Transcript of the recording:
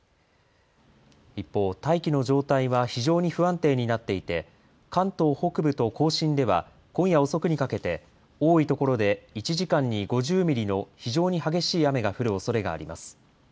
一方、大気の状態は非常に不安定になっていて関東北部と甲信では今夜遅くにかけて多いところで１時間に５０ミリの非常に激しい雨が降るおそれがあります。